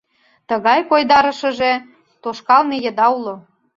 Тыгай койдарышыже тошкалме еда уло.